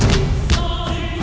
ayo kita kejar mereka